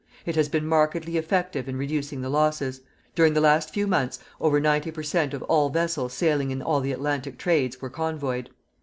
It has been markedly effective in reducing the losses. During the last few months over 90 per cent. of all vessels sailing in all the Atlantic trades were convoyed....